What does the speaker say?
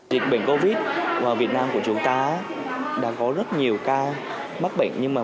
dịch bệnh covid việt nam của chúng ta đã có rất nhiều ca mắc bệnh